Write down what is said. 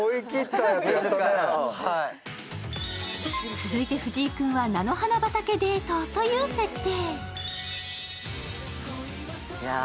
続いて藤井君は菜の花畑デートという設定。